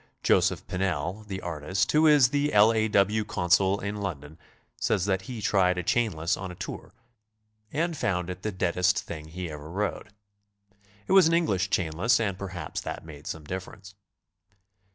Joseph Pennell, the artist, who is the L. A. W. Consul in London, says that he tried a chainless on a tour and found 98 GOING ABROAD? it the deadest thing he ever rode. It was an English chain less, and perhaps that made some difference.